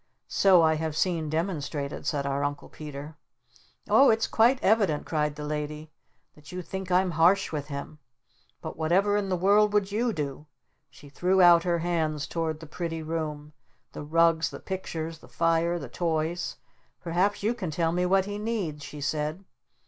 "So I have seen demonstrated," said our Uncle Peter. "Oh, it's quite evident," cried the Lady, "that you think I'm harsh with him! But whatever in the world would YOU do?" She threw out her hands toward the pretty room, the rugs, the pictures, the fire, the toys. "Perhaps you can tell me what he NEEDS?" she said.